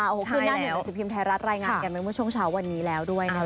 ต้องก็จะราภา๖คืนหน้า๑๑๐พิมพ์ไทยรัฐรายงานกันเมื่อช่วงเช้าวันนี้แล้วด้วยนะคะ